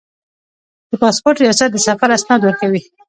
د پاسپورت ریاست د سفر اسناد ورکوي